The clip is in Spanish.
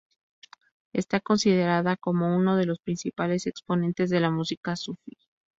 Está considerada como uno de los principales exponentes de la música sufí.